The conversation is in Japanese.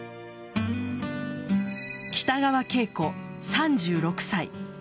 北川景子、３６歳。